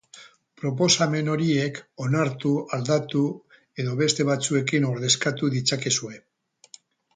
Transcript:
Proposamen horiek onartu, aldatu edo beste batzuekin ordezkatu ditzakezue.